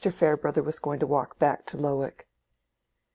Farebrother was going to walk back to Lowick.